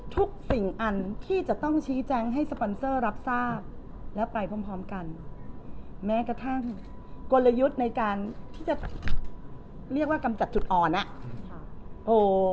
ทุกสิ่งอันที่จะต้องชี้แจงให้สปอนเซอร์รับทราบและไปพร้อมพร้อมกันแม้กระทั่งกลยุทธ์ในการที่จะเรียกว่ากำจัดจุดอ่อนอ่ะค่ะโอ้